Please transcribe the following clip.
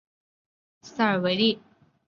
塞尔维利。